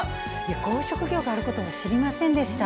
こういう職業があること知りませんでした。